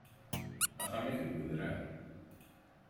Axxam-ik deg udrar.